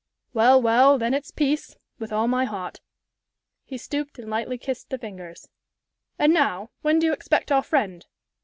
"Well, well, then it's peace, with all my heart." He stooped and lightly kissed the fingers. "And now, when do you expect our friend?"